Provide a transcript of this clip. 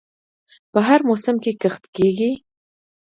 په هر موسم کې کښت کیږي.